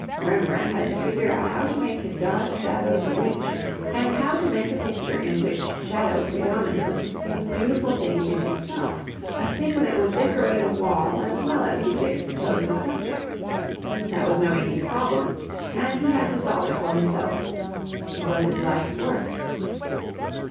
Rembrandt had to find out how to make his dark shadows rich, and how to make a picture, in which shadow predominated, a beautiful thing in itself, a thing that would decorate a wall as well as depict the chosen subject. That was no easy problem, and he had to solve it for himself. It was his life's work.